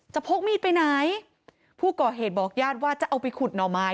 พกมีดไปไหนผู้ก่อเหตุบอกญาติว่าจะเอาไปขุดหน่อไม้